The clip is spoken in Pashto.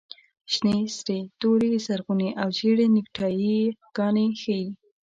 شنې، سرې، تورې، زرغونې او زېړې نیکټایي ګانې ښیي.